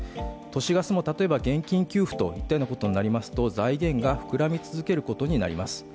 都市ガスも例えば現金給付といったことになりますと、財源が膨らみ続けることになります。